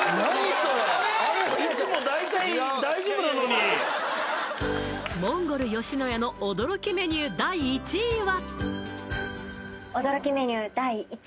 それモンゴル野家の驚きメニュー第１位は？